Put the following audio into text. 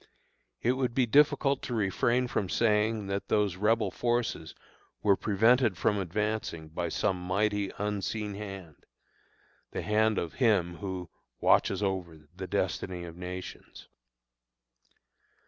It would be difficult to refrain from saying, that those Rebel forces were prevented from advancing by some mighty unseen hand the hand of Him who "watches over the destiny of nations."